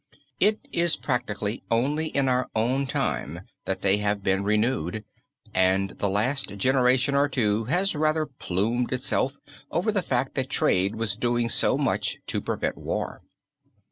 It is practically only in our own time that they have been renewed, and the last generation or two, has rather plumed itself over the fact that trade was doing so much to prevent war.